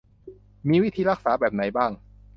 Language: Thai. มีวิธีรักษาแบบไหนบ้าง